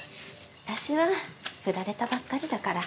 私はフラれたばっかりだから。